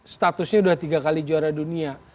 statusnya sudah tiga kali juara dunia